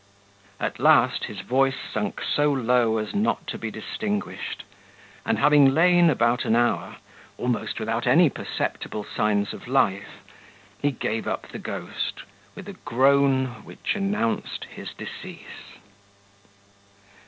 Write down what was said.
At last his voice sunk so low as not to be distinguished; and, having lain about an hour, almost without any perceptible signs of life, he gave up the ghost with a groan which announced his decease.